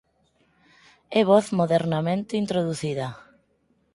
É voz modernamente introducida».